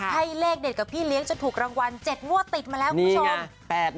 ให้เลขเด็ดกับพี่เลี้ยงจนถูกรางวัล๗งวดติดมาแล้วคุณผู้ชม